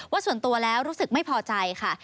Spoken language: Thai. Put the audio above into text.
ส่วนตัวแล้วรู้สึกไม่พอใจค่ะ